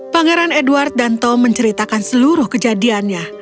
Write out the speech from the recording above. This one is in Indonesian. pangeran edward dan tom menceritakan seluruh kejadiannya